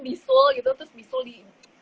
bisul gitu terus bisul di